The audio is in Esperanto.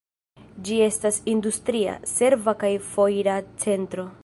Ĝi estas industria, serva kaj foira centro.